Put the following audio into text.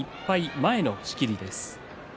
前の仕切りです。